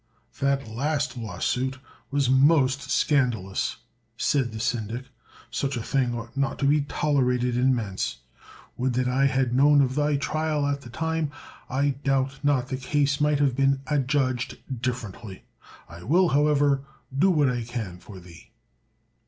"That last lawsuit was most scandalous!" said the Syndic; "such a thing ought not to be tolerated in Mentz! Would that I had known of thy trial at the time; I doubt not the case might have been adjudged differently. I will, however, do what I can for thee."